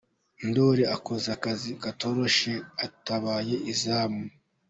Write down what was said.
Ndori akoze akazi katoroshye atabaye izamu.